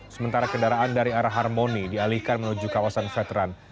sementara kendaraan dari arah harmoni dialihkan menuju kawasan veteran